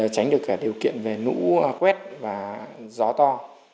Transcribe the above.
tránh được cả điều kiện về lũ quét và gió to